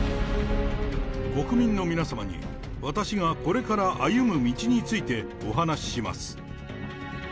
国民の皆様に、私がこれから歩む道についてお話します。